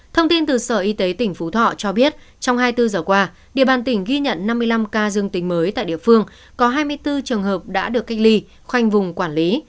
thông tin từ sở y tế tỉnh phú thọ cho biết trong hai mươi bốn giờ qua địa bàn tỉnh ghi nhận năm mươi năm ca dương tính mới tại địa phương có hai mươi bốn trường hợp đã được cách ly khoanh vùng quản lý